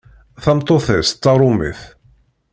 Tameṭṭut-is d taṛumit.